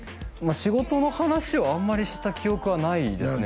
仕事の話はあんまりした記憶はないですね